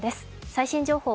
最新情報